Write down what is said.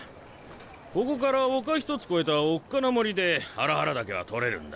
ここから丘一つ越えたおっかな森でハラハラ茸は採れるんだ。